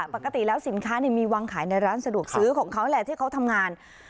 ปกติแล้วสินค้ามีวางขายในร้านสะดวกซื้อของเขาแหละที่เขาทำงาน